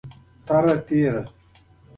د محرم د لسمې سپوږمۍ د وريځو سره پۀ جنګ وه